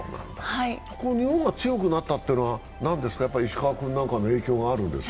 日本が強くなったというのは、やはり石川君なんかの影響があるんですか。